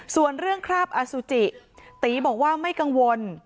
ส่วนเรื่องคราบอสุจิตีบอกว่าไม่กังวล